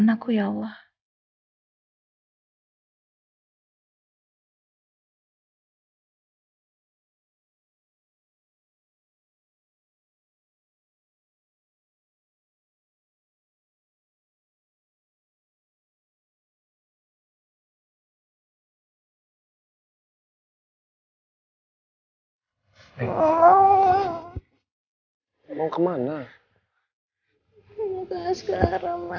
aku mau ke asgara mas